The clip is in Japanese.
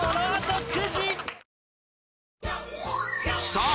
さあ